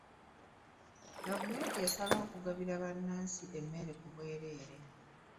Gavumenti yasalawo okugabira bannansi emmere ku bwereere.